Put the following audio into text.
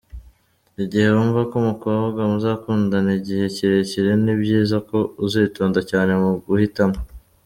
Igihe wumva ko umukobwa muzakundana igihe kirekire, ni byiza ko uzitonda cyane mu guhitamo.